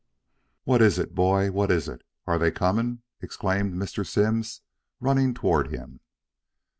"What is it, boy? What is it? Are they coming!" exclaimed Mr. Simms, running toward him.